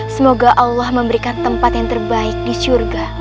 semoga allah memberikan tempat yang terbaik di surga